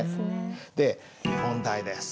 で問題です。